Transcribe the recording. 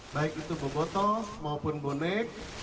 baik itu boboto maupun bonek